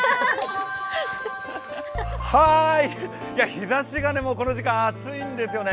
日ざしがこの時間熱いんですよね。